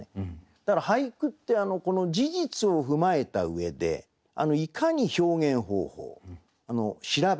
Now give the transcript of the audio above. だから俳句って事実を踏まえた上でいかに表現方法調べ